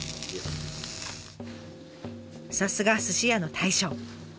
さすが寿司屋の大将。